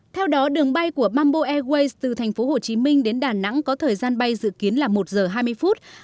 theo đó đường bay của mambo airways từ tp hcm đến đà nẵng có thời gian bay dự kiến là một giờ hai mươi phút